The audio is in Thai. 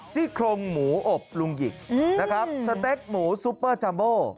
ซี่โครงหมูอบลุงหยิกนะครับสเต็กหมูซุปเปอร์จัมโบ